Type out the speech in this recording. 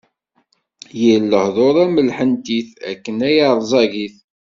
Yir lehduṛ am lḥentit, akken ay ṛẓagit.